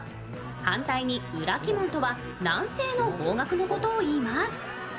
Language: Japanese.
反対に裏鬼門とは南西の方角のことをいいます。